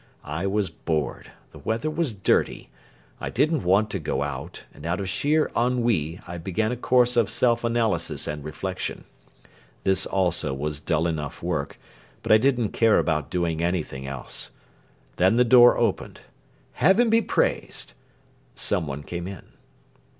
I was bored; the weather was dirty. I didn't want to go out, and out of sheer ennui I began a course of self analysis and reflection. This also was dull enough work, but I didn't care about doing anything else. Then the door opened. Heaven be praised! Some one came in.